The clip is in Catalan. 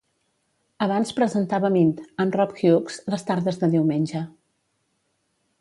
Abans presentava "Mint" amb Rob Hughes les tardes de diumenge.